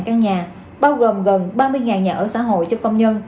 ba trăm sáu mươi sáu căn nhà bao gồm gần ba mươi nhà ở xã hội cho công nhân